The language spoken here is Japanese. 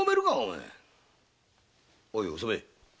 おいお染